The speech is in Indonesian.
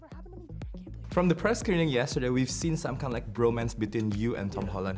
dari penyelamatan presi kemarin kita melihat sebuah bromansi antara kamu dan tom holland